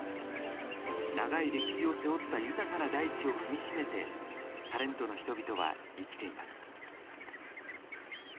長い歴史を背負った豊かな大地を踏みしめてサレントの人々は生きています。